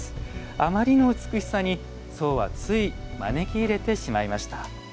あまりの美しさに僧はつい招き入れてしまいました。